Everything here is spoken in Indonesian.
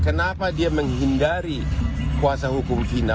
kenapa dia menghindari kuasa hukum cina